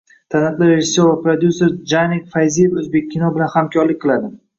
Taniqli rejissyor va prodyuser Djanik Fayziyev Oʻzbekkino bilan hamkorlik qiladi